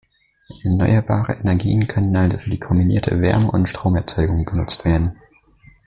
Erneuerbare Energien können also für die kombinierte Wärme- und Stromerzeugung genutzt werden.